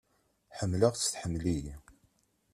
Ḥemmleɣ-tt, tḥemmel-iyi.